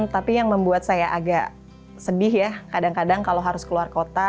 tapi yang membuat saya agak sedih ya kadang kadang kalau harus keluar kota